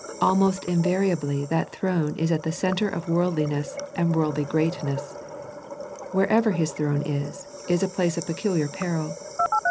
Almost invariably that throne is at the centre of worldliness and worldly greatness. Wherever his throne is, is a place of peculiar peril.